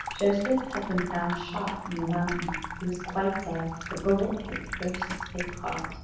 Joseph had been found shot in the mountains. He was quite dead. The bullet had pierced his heart.